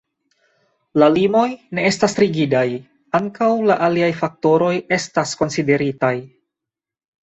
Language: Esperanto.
La limoj ne estas rigidaj, ankaŭ la aliaj faktoroj estas konsideritaj.